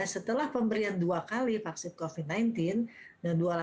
setelah pemberian dua kali vaksin covid sembilan belas